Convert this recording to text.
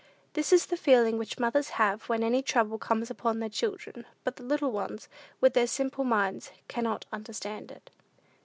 This is the feeling which mothers have when any trouble comes upon their children; but the little ones, with their simple minds, cannot understand it.